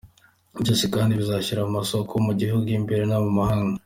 Byose kandi bizashakirwa amasoko mu gihugu imbere no mu mahanga.